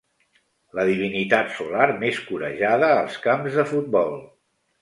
La divinitat solar més corejada als camps de futbol.